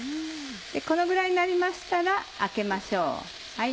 このぐらいになりましたらあけましょう。